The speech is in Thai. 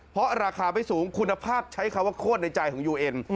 เพราะราคาไม่สูงคุณภาพใช้คำว่าโคตรในใจของยูเอ็น